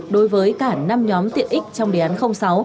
đối với cả năm nhóm tiện ích trong đề án sáu